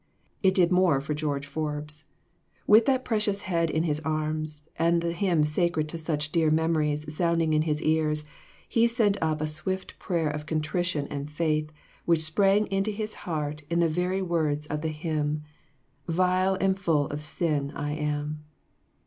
It did more for George Forbes ; with that precious head in his arms, and the hymn sacred to such dear memo ries sounding in his ears, he sent up a swift prayer of contrition and faith which sprang into his heart in the very words of the hymn " Vile and full of sin I am."